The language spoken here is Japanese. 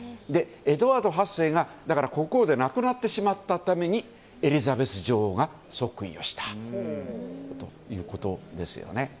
エドワード８世が国王でなくなってしまったためにエリザベス女王が即位をしたということです。